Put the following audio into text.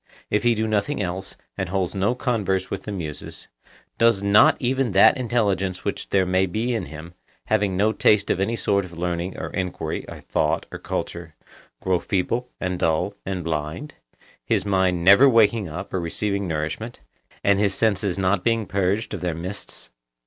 if he do nothing else, and holds no converse with the Muses, does not even that intelligence which there may be in him, having no taste of any sort of learning or enquiry or thought or culture, grow feeble and dull and blind, his mind never waking up or receiving nourishment, and his senses not being purged of their mists?